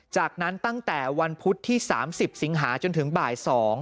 จากนั้นตั้งแต่วันพุธที่๓๐สิงหาจนถึงบ่าย๒